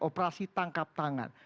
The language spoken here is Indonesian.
operasi tangkap tangan